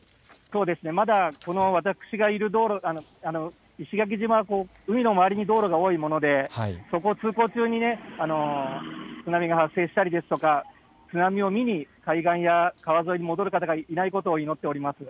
まだ、私がいる石垣島海の周りに道路が多いので通行中に津波が発生したりですとか津波を見に行ったり海岸や川沿いに戻る方がいないことを祈っております。